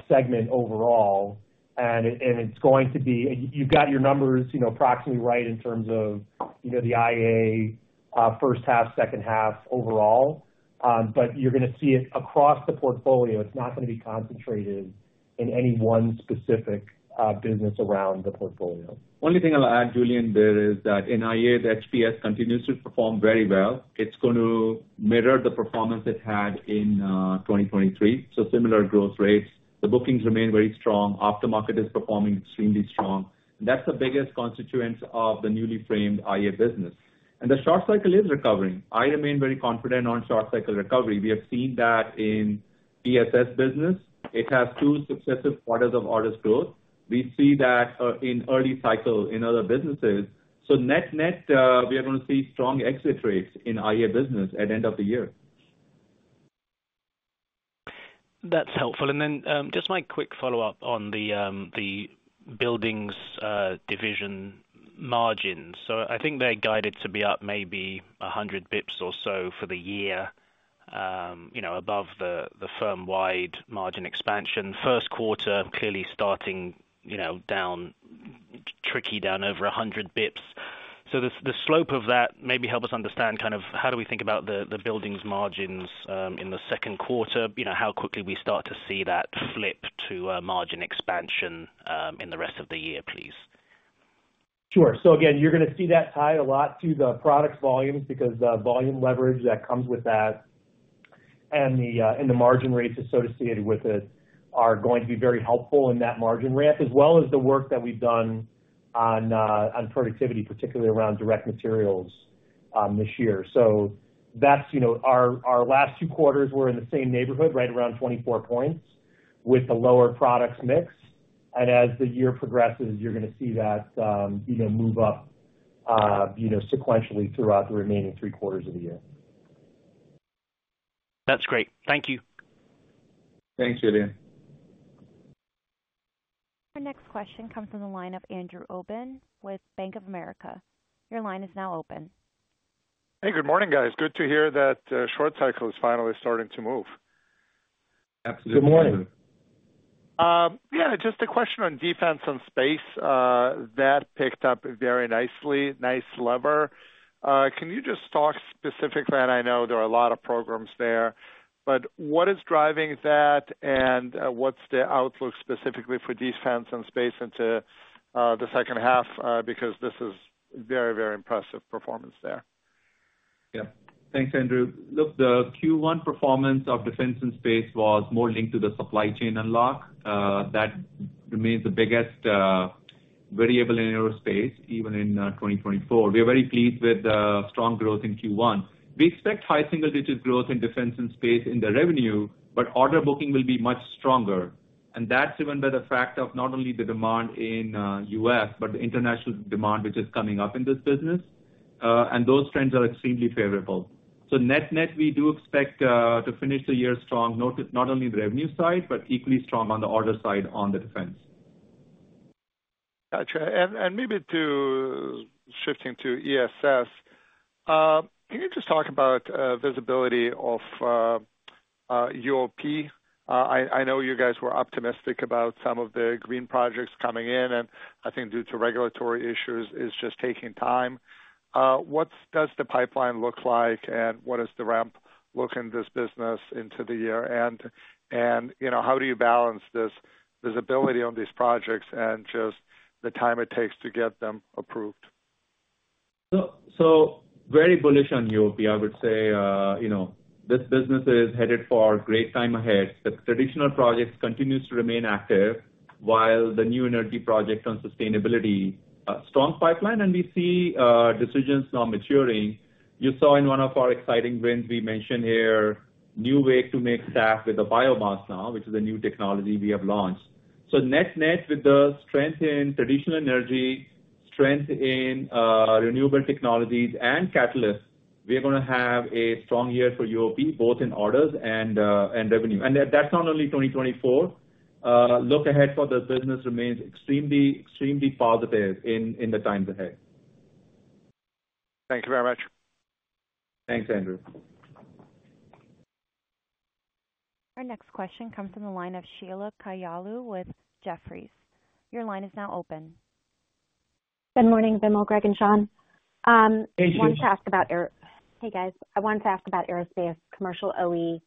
segment overall, and it's going to be, you've got your numbers approximately right in terms of the IA first half, second half overall, but you're going to see it across the portfolio. It's not going to be concentrated in any one specific business around the portfolio. Only thing I'll add, Julian, there is that in IA, the HPS continues to perform very well. It's going to mirror the performance it had in 2023, so similar growth rates. The bookings remain very strong. Aftermarket is performing extremely strong. That's the biggest constituent of the newly framed IA business. And the short cycle is recovering. I remain very confident on short cycle recovery. We have seen that in PSS business. It has two successive quarters of orders growth. We see that in early cycle in other businesses. So net-net, we are going to see strong exit rates in IA business at the end of the year. That's helpful. And then just my quick follow-up on the buildings division margins. So I think they're guided to be up maybe 100 basis points or so for the year above the firm-wide margin expansion. First quarter clearly starting tricky down over 100 basis points. So the slope of that maybe help us understand kind of how do we think about the buildings margins in the second quarter? How quickly we start to see that flip to margin expansion in the rest of the year, please? Sure. So again, you're going to see that tied a lot to the products volumes because the volume leverage that comes with that and the margin rates associated with it are going to be very helpful in that margin ramp as well as the work that we've done on productivity, particularly around direct materials this year. So our last two quarters were in the same neighborhood, right around 24 points with the lower products mix. And as the year progresses, you're going to see that move up sequentially throughout the remaining three quarters of the year. That's great. Thank you. Thanks, Julian. Our next question comes from the line of Andrew Obin with Bank of America. Your line is now open. Hey, good morning, guys. Good to hear that short cycle is finally starting to move. Absolutely. Good morning. Yeah, just a question on Defense and Space. That picked up very nicely. Nice lever. Can you just talk specifically? And I know there are a lot of programs there, but what is driving that, and what's the outlook specifically for Defense and Space into the second half? Because this is very, very impressive performance there. Yeah. Thanks, Andrew. Look, the Q1 performance of Defense and Space was more linked to the supply chain unlock. That remains the biggest variable in Aerospace, even in 2024. We are very pleased with the strong growth in Q1. We expect high single-digit growth in Defense and Space in the revenue, but order booking will be much stronger. And that's even by the fact of not only the demand in U.S., but the international demand, which is coming up in this business. And those trends are extremely favorable. So net-net, we do expect to finish the year strong, not only the revenue side, but equally strong on the order side on the defense. Gotcha. Maybe shifting to ESS, can you just talk about visibility of UOP? I know you guys were optimistic about some of the green projects coming in, and I think due to regulatory issues, it's just taking time. What does the pipeline look like, and what does the ramp look in this business into the year? And how do you balance this visibility on these projects and just the time it takes to get them approved? So very bullish on UOP, I would say. This business is headed for a great time ahead. The traditional projects continue to remain active, while the new energy project on sustainability, strong pipeline, and we see decisions now maturing. You saw in one of our exciting wins we mentioned here, new way to make SAF with the biomass now, which is a new technology we have launched. So net-net, with the strength in traditional energy, strength in renewable technologies, and catalyst, we are going to have a strong year for UOP, both in orders and revenue. And that's not only 2024. Look ahead for the business remains extremely positive in the times ahead. Thank you very much. Thanks, Andrew. Our next question comes from the line of Sheila Kahyaoglu with Jefferies. Your line is now open. Good morning, Vimal, Greg, and Sean. I wanted to ask about Aerospace, hey guys. Commercial OE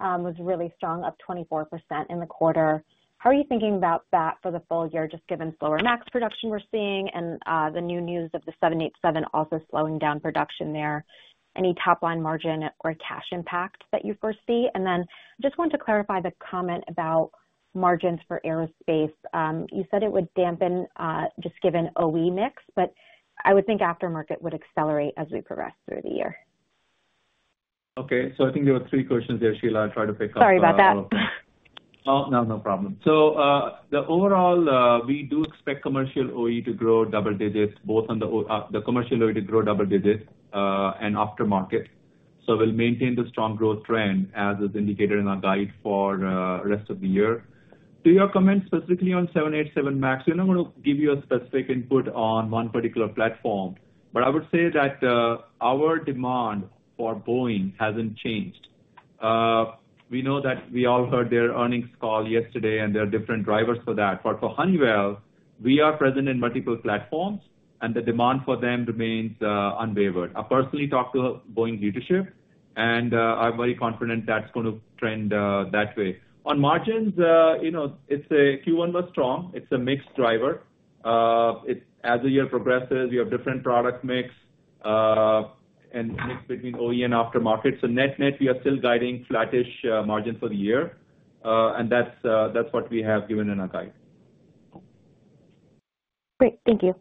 was really strong, up 24% in the quarter. How are you thinking about that for the full year, just given slower MAX production we're seeing and the new news of the 787 also slowing down production there? Any top-line margin or cash impact that you foresee? And then I just wanted to clarify the comment about margins for Aerospace. You said it would dampen just given OE mix, but I would think aftermarket would accelerate as we progress through the year. Okay. So I think there were three questions there, Sheila. I'll try to pick up. Sorry about that. Oh, no, no problem. So overall, we do expect commercial OE to grow double digits, both on the commercial OE to grow double digits and aftermarket. So we'll maintain the strong growth trend as is indicated in our guide for the rest of the year. To your comment specifically on 787, MAX, we're not going to give you a specific input on one particular platform, but I would say that our demand for Boeing hasn't changed. We know that we all heard their earnings call yesterday, and there are different drivers for that. But for Honeywell, we are present in multiple platforms, and the demand for them remains unwavering. I've personally talked to Boeing leadership, and I'm very confident that's going to trend that way. On margins, Q1 was strong. It's a mixed driver. As the year progresses, you have different product mix and mix between OE and aftermarket. So net-net, we are still guiding flattish margin for the year, and that's what we have given in our guide. Great. Thank you.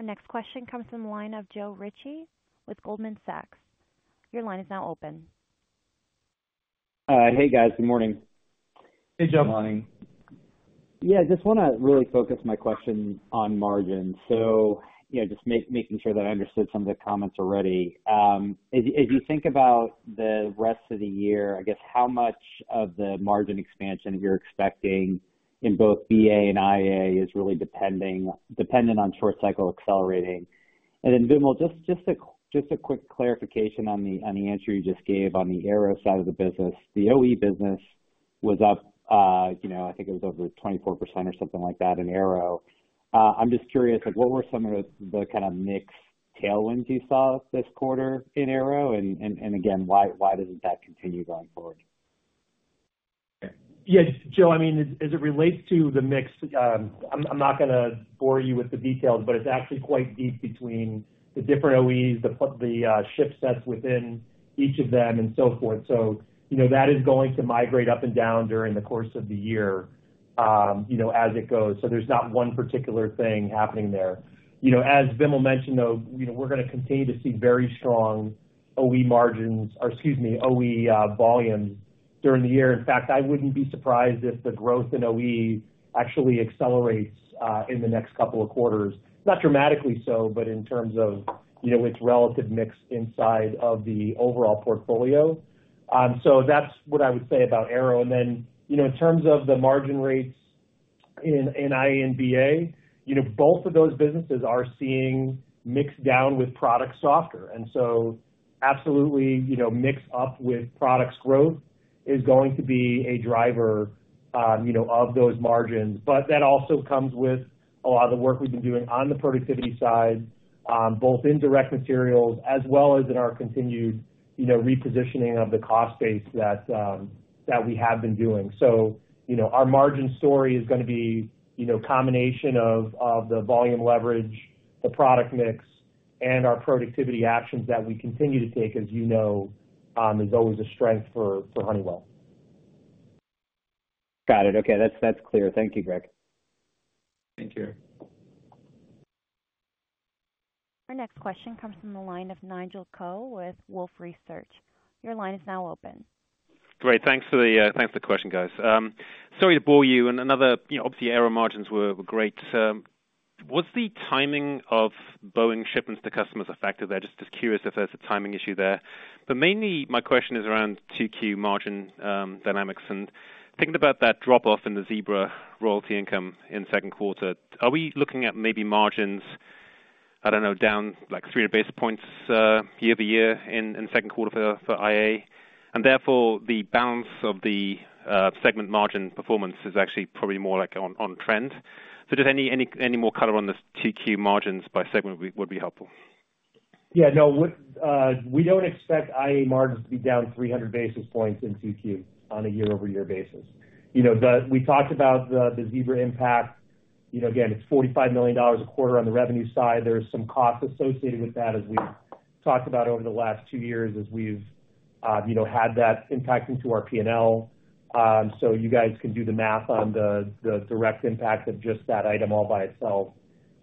Our next question comes from the line of Joe Ritchie with Goldman Sachs. Your line is now open. Hey, guys. Good morning. Hey, Joe. Good morning. Yeah, I just want to really focus my question on margins, so just making sure that I understood some of the comments already. As you think about the rest of the year, I guess how much of the margin expansion you're expecting in both BA and IA is really dependent on short cycle accelerating? And then, Vimal, just a quick clarification on the answer you just gave on the Aero side of the business. The OE business was up. I think it was over 24% or something like that in Aero. I'm just curious, what were some of the kind of mixed tailwinds you saw this quarter in Aero, and again, why doesn't that continue going forward? Yeah, Joe, I mean, as it relates to the mix, I'm not going to bore you with the details, but it's actually quite deep between the different OEs, the shipsets within each of them, and so forth. So that is going to migrate up and down during the course of the year as it goes. So there's not one particular thing happening there. As Vimal mentioned, though, we're going to continue to see very strong OE margins or excuse me, OE volumes during the year. In fact, I wouldn't be surprised if the growth in OE actually accelerates in the next couple of quarters. Not dramatically so, but in terms of its relative mix inside of the overall portfolio. So that's what I would say about Aero. And then, in terms of the margin rates in IA and BA, both of those businesses are seeing mix down with products softer. And so, absolutely, mix up with products growth is going to be a driver of those margins. But that also comes with a lot of the work we've been doing on the productivity side, both in direct materials as well as in our continued repositioning of the cost base that we have been doing. So, our margin story is going to be a combination of the volume leverage, the product mix, and our productivity actions that we continue to take, as you know, is always a strength for Honeywell. Got it. Okay. That's clear. Thank you, Greg. Thank you. Our next question comes from the line of Nigel Coe with Wolfe Research. Your line is now open. Great. Thanks for the question, guys. Sorry to bore you. Obviously, Aero margins were great. Was the timing of Boeing shipments to customers a factor there? Just curious if there's a timing issue there. But mainly, my question is around 2Q margin dynamics. And thinking about that drop-off in the Zebra royalty income in second quarter, are we looking at maybe margins, I don't know, down like 30 basis points year-over-year in second quarter for IA? And therefore, the balance of the segment margin performance is actually probably more on trend. So just any more color on this 2Q margins by segment would be helpful. Yeah. No, we don't expect IA margins to be down 300 basis points in 2Q on a year-over-year basis. We talked about the Zebra impact. Again, it's $45,000,000 a quarter on the revenue side. There's some cost associated with that, as we've talked about over the last two years, as we've had that impact into our P&L. So you guys can do the math on the direct impact of just that item all by itself.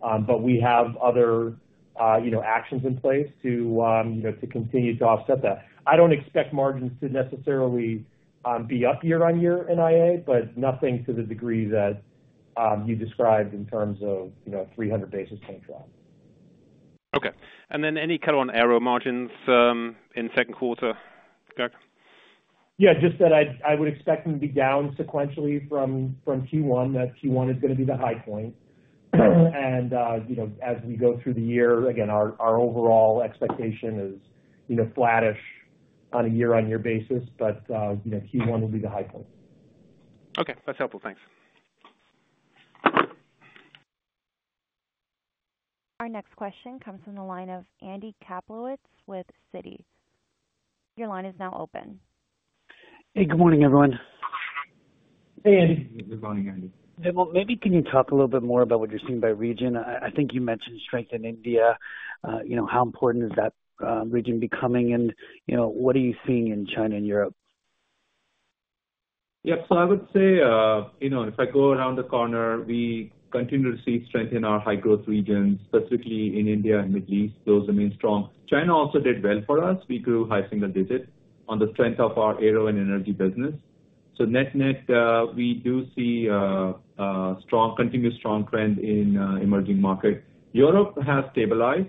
But we have other actions in place to continue to offset that. I don't expect margins to necessarily be up year-on-year in IA, but nothing to the degree that you described in terms of a 300-basis-point drop. Okay. And then any color on Aero margins in second quarter, Greg? Yeah, just that I would expect them to be down sequentially from Q1, that Q1 is going to be the high point. As we go through the year, again, our overall expectation is flattish on a year-on-year basis, but Q1 will be the high point. Okay. That's helpful. Thanks. Our next question comes from the line of Andy Kaplowitz with Citi. Your line is now open. Hey, good morning, everyone. Hey, Andy. Good morning, Andy. Vimal, maybe can you talk a little bit more about what you're seeing by region? I think you mentioned strength in India. How important is that region becoming, and what are you seeing in China and Europe? Yep. So I would say if I go around the corner, we continue to see strength in our high-growth regions, specifically in India and Middle East. Those remain strong. China also did well for us. We grew high single digit on the strength of our Aero and energy business. So net-net, we do see a continued strong trend in emerging markets. Europe has stabilized.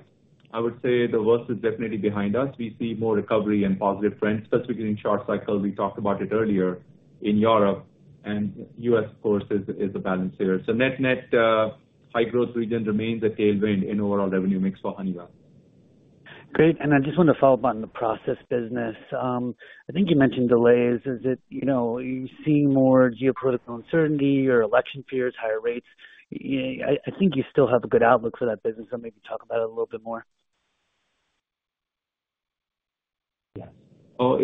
I would say the worst is definitely behind us. We see more recovery and positive trends, specifically in short cycle. We talked about it earlier in Europe. And U.S., of course, is a balancer. So net-net, high-growth region remains a tailwind in overall revenue mix for Honeywell. Great. And I just want to follow up on the process business. I think you mentioned delays. Are you seeing more geopolitical uncertainty or election fears, higher rates? I think you still have a good outlook for that business. So maybe talk about it a little bit more. Yes.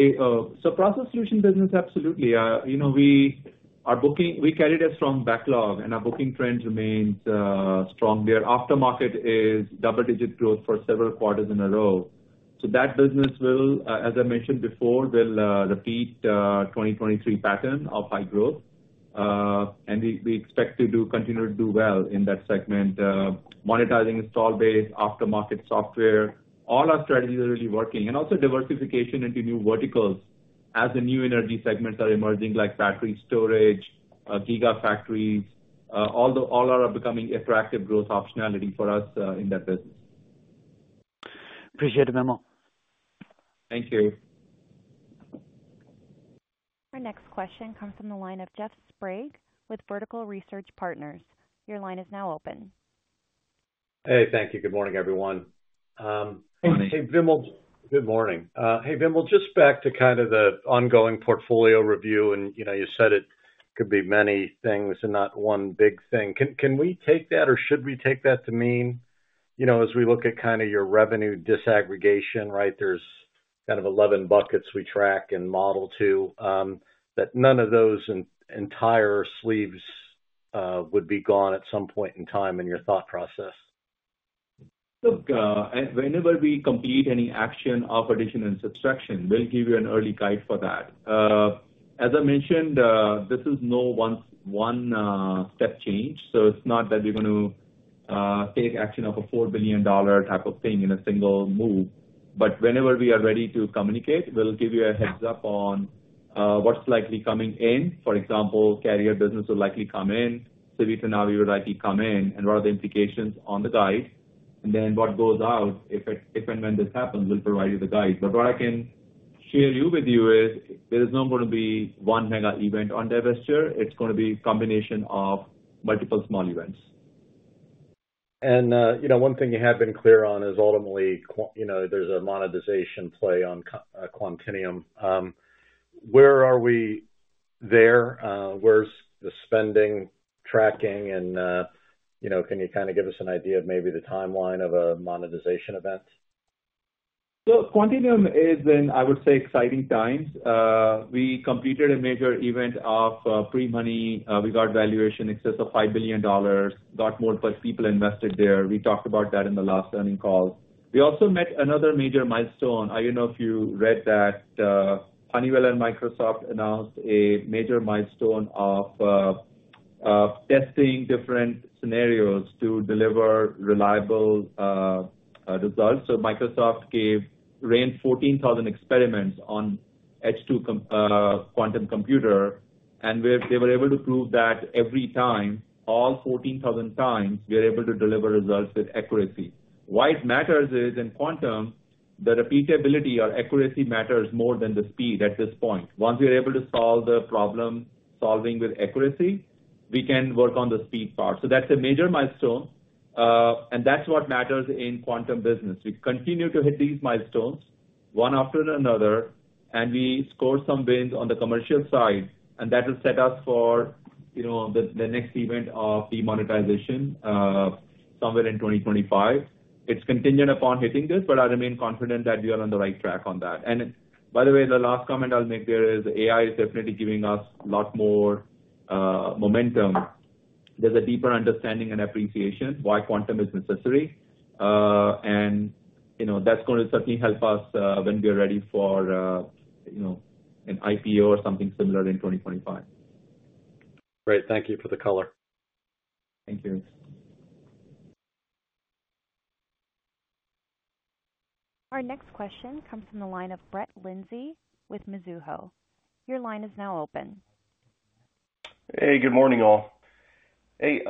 So Process Solutions business, absolutely. We carried a strong backlog, and our booking trend remains strong there. Aftermarket is double-digit growth for several quarters in a row. So that business will, as I mentioned before, repeat the 2023 pattern of high growth. We expect to continue to do well in that segment. Monetizing installed base, aftermarket software, all our strategies are really working. And also diversification into new verticals as the new energy segments are emerging, like battery storage, gigafactories. All are becoming attractive growth optionality for us in that business. Appreciate it, Vimal. Thank you. Our next question comes from the line of Jeff Sprague with Vertical Research Partners. Your line is now open. Hey, thank you. Good morning, everyone. Morning. Hey, Vimal. Good morning. Hey, Vimal, just back to kind of the ongoing portfolio review. And you said it could be many things and not one big thing. Can we take that, or should we take that to mean as we look at kind of your revenue disaggregation, right? There's kind of 11 buckets we track in and model to, that none of those entire sleeves would be gone at some point in time in your thought process? Look, whenever we complete any action of addition and subtraction, we'll give you an early guide for that. As I mentioned, this is no one-step change. So it's not that we're going to take action of a $4,000,000,000 type of thing in a single move. But whenever we are ready to communicate, we'll give you a heads-up on what's likely coming in. For example, Carrier business will likely come in. Civitanavi will likely come in. And what are the implications on the guide? And then what goes out, if and when this happens, we'll provide you the guide. But what I can share with you is there is not going to be one mega event on divestiture. It's going to be a combination of multiple small events. One thing you have been clear on is ultimately, there's a monetization play on Quantinuum. Where are we there? Where's the spending tracking? And can you kind of give us an idea of maybe the timeline of a monetization event? Quantinuum is in, I would say, exciting times. We completed a major event of pre-money. We got valuation in excess of $5,000,000,000, got more people invested there. We talked about that in the last earnings call. We also met another major milestone. I don't know if you read that. Honeywell and Microsoft announced a major milestone of testing different scenarios to deliver reliable results. Microsoft ran 14,000 experiments on H2 quantum computer. They were able to prove that every time, all 14,000 times, we were able to deliver results with accuracy. Why it matters is in quantum, the repeatability or accuracy matters more than the speed at this point. Once we are able to solve the problem solving with accuracy, we can work on the speed part. That's a major milestone. That's what matters in quantum business. We continue to hit these milestones one after another, and we score some wins on the commercial side. That will set us for the next event of demonstration somewhere in 2025. It's contingent upon hitting this, but I remain confident that we are on the right track on that. By the way, the last comment I'll make there is AI is definitely giving us a lot more momentum. There's a deeper understanding and appreciation why quantum is necessary. And that's going to certainly help us when we are ready for an IPO or something similar in 2025. Great. Thank you for the color. Thank you. Our next question comes from the line of Brett Linzey with Mizuho. Your line is now open. Hey, good morning, all. Hey,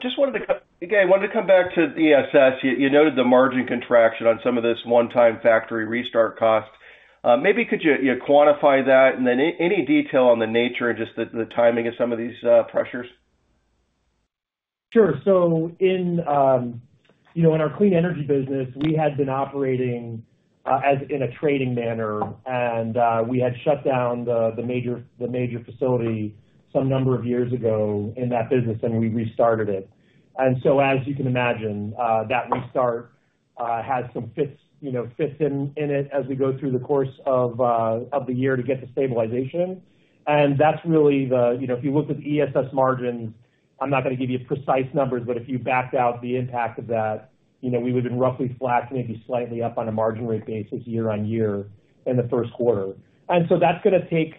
just wanted to again, I wanted to come back to ESS. You noted the margin contraction on some of this one-time factory restart cost. Maybe could you quantify that and then any detail on the nature and just the timing of some of these pressures? Sure. So in our clean energy business, we had been operating in a trading manner. And we had shut down the major facility some number of years ago in that business, and we restarted it. And so as you can imagine, that restart has some fits in it as we go through the course of the year to get the stabilization. And that's really the if you looked at the ESS margins, I'm not going to give you precise numbers, but if you backed out the impact of that, we would have been roughly flat, maybe slightly up on a margin rate basis year-on-year in the first quarter. And so that's going to take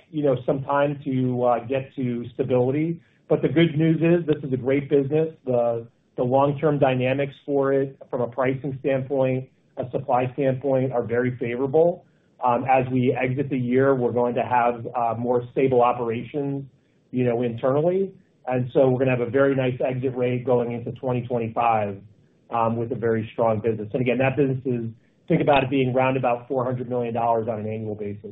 some time to get to stability. But the good news is this is a great business. The long-term dynamics for it from a pricing standpoint, a supply standpoint, are very favorable. As we exit the year, we're going to have more stable operations internally. And so we're going to have a very nice exit rate going into 2025 with a very strong business. And again, that business is think about it being round about $400,000,000 on an annual basis.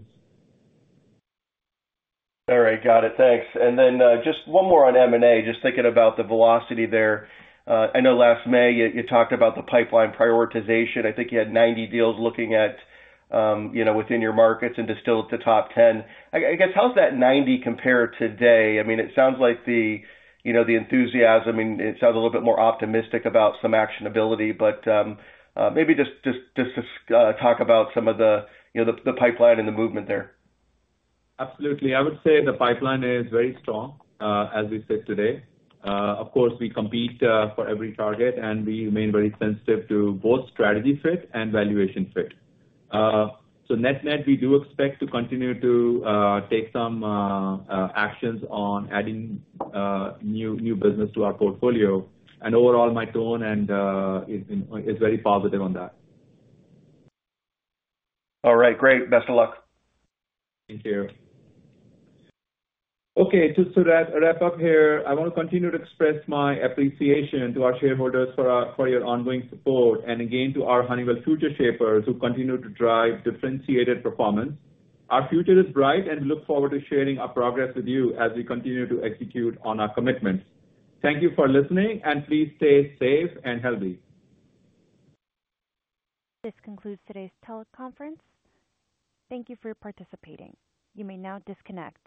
All right. Got it. Thanks. And then just one more on M&A, just thinking about the velocity there. I know last May, you talked about the pipeline prioritization. I think you had 90 deals looking at within your markets and distilled at the top 10. I guess, how's that 90 compare today? I mean, it sounds like the enthusiasm and it sounds a little bit more optimistic about some actionability. But maybe just talk about some of the pipeline and the movement there. Absolutely. I would say the pipeline is very strong, as we said today. Of course, we compete for every target, and we remain very sensitive to both strategy fit and valuation fit. So net-net, we do expect to continue to take some actions on adding new business to our portfolio. Overall, my tone is very positive on that. All right. Great. Best of luck. Thank you. Okay. To wrap up here, I want to continue to express my appreciation to our shareholders for your ongoing support and, again, to our Honeywell FutureShapers who continue to drive differentiated performance. Our future is bright, and we look forward to sharing our progress with you as we continue to execute on our commitments. Thank you for listening, and please stay safe and healthy. This concludes today's teleconference. Thank you for participating. You may now disconnect.